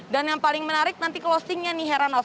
dan yang paling menarik nanti closingnya nih heranov